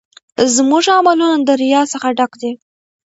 زموږ عملونه د ریا څخه ډک دي.